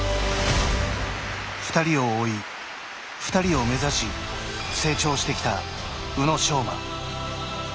２人を追い、２人を目指し成長してきた宇野昌磨。